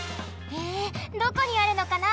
へえどこにあるのかな？